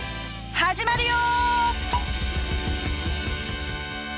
始まるよ！